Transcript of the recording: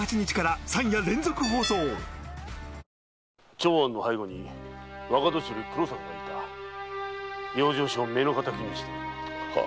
長庵の背後には若年寄・黒坂がいた養生所を目の敵にしている。